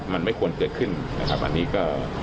มันไม่ควรเกิดขึ้นอันนี้ก็